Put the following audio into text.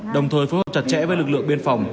đồng thời phối hợp chặt chẽ với lực lượng biên phòng